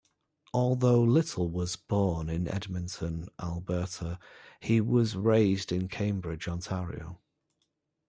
Although Little was born in Edmonton, Alberta, he was raised in Cambridge, Ontario.